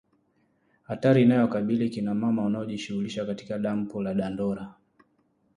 Hatari inayowakabili kina mama wanaojishughulisha katika dampo la Dandora